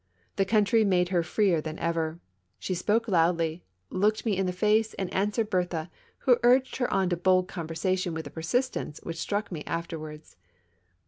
The country made her freer than ever ; she spoke loudly, looked me in the face and answered Berthe, who urged her on to bold conversation with a persistence which struck me afterwards.